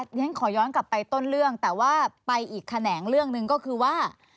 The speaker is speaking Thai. ฉันขอย้อนกลับไปต้นเรื่องแต่ว่าไปอีกแขนงเรื่องหนึ่งก็คือว่า